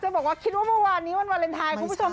บอกว่าคิดว่าเมื่อวานนี้วันวาเลนไทยคุณผู้ชม